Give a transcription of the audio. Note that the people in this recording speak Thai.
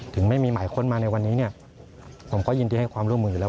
ไม่มีหมายค้นมาในวันนี้เนี่ยผมก็ยินดีให้ความร่วมมืออยู่แล้ว